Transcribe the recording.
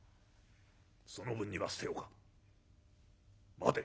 その分には捨ておかん。